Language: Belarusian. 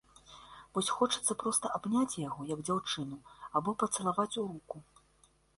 Вось хочацца проста абняць яго, як дзяўчыну, або пацалаваць у руку.